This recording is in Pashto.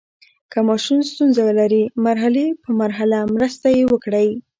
که ماشوم ستونزه لري، مرحلې په مرحله مرسته یې وکړئ.